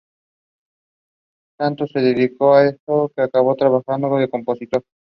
Tanto se dedicó a eso que acabó trabajando de compositor.